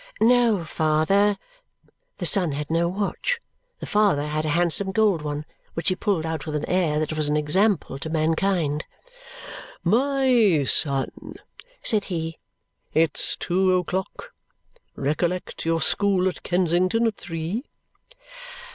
"No, father." The son had no watch. The father had a handsome gold one, which he pulled out with an air that was an example to mankind. "My son," said he, "it's two o'clock. Recollect your school at Kensington at three."